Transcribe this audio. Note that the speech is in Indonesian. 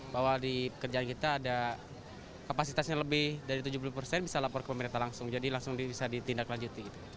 bahwa di pekerjaan kita ada kapasitasnya lebih dari tujuh puluh persen bisa lapor ke pemerintah langsung jadi langsung bisa ditindaklanjuti